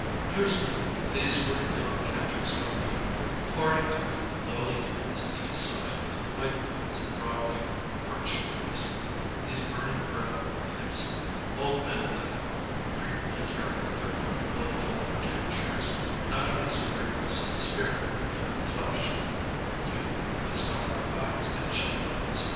Usually these were Leon Kantor's own people pouring up from the lowly lands of the East Side to the white lands of Broadway, parched for music, these burning brethren of his old men in that line, frequently carrying their own little folding camp chairs, not against weariness of the spirit, but of the flesh; youth with Slavic eyes and cheek bones.